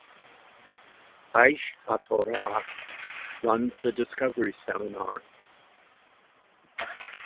Aish HaTorah runs the Discovery Seminar.